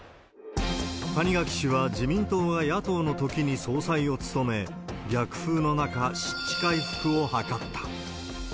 谷垣氏は自民党が野党のときに総裁を務め、逆風の中、失地回復を図った。